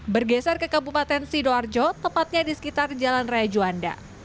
bergeser ke kabupaten sidoarjo tepatnya di sekitar jalan raya juanda